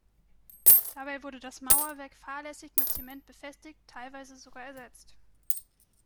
Dabei wurde das Mauerwerk fahrlässig mit Zement befestigt, teilweise sogar ersetzt.